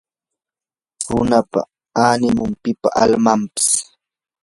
runapa animun; pipa almanpas